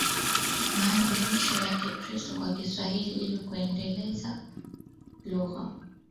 mafundisho ya Kikristo kwa Kiswahili ili kuieneza lugha